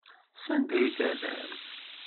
Sanda ay t-terram?